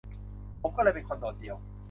ผมก็เลยเป็นคนโดดเดี่ยว